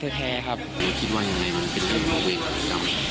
ซึ่งเป็นน้องแท้ครับ